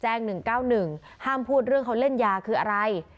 ๑๙๑ห้ามพูดเรื่องเขาเล่นยาคืออะไร